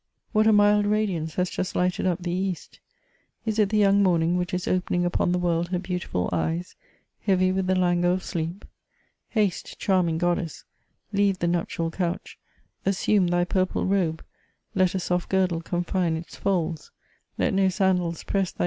" What a mild radiance has just lighted up the East ! Is it the young morning which is opening upon the world her beau tiful eyes, heavy with the langour of sleep ? Haste, charming goddess ! leave the nuptial couch, — assume thy purple robe ; let a soft girdle confine its folds : let no sandals press thy *" My soul is weary of my life."